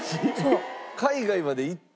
海外まで行ってて。